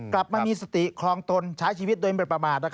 กลับไม่มีสติคลองตนช้ายชีวิตโดยเบิดประมาท